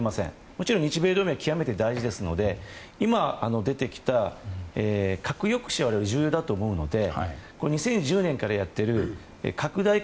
もちろん日米同盟は極めて大事ですが今、出てきた核抑止は重要だと思うので２０１４年からやっている拡大